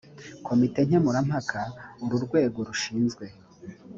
komite nkemurampaka uru rwego rushinzwe